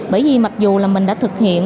bởi vì mặc dù mình đã thực hiện